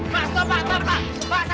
pak sabar pak